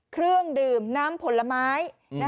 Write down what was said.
เครื่องดื่มน้ำผลไม้